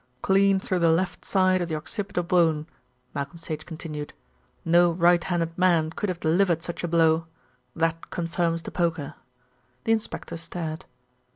"Clean through the left side of the occipital bone," Malcolm Sage continued. "No right handed man could have delivered such a blow. That confirms the poker." The inspector stared.